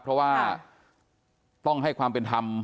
เพราะว่าต้องให้ความเป็นธรรม